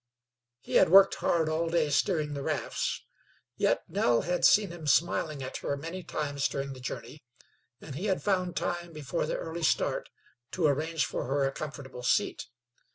He had worked hard all day steering the rafts, yet Nell had seen him smiling at her many times during the journey, and he had found time before the early start to arrange for her a comfortable seat.